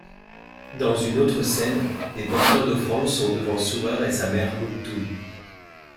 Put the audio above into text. Dans une autre scène des porteurs d'offrandes sont devant Sourer et sa mère Mout-Touy.